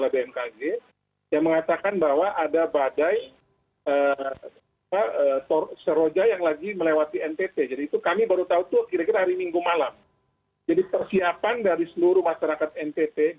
begitu cepat dan darurat